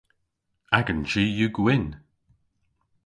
Agan chi yw gwynn.